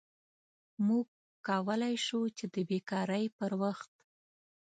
موږ کولی شو چې د بیکارۍ پر وخت